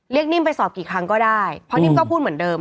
นิ่มไปสอบกี่ครั้งก็ได้เพราะนิ่มก็พูดเหมือนเดิม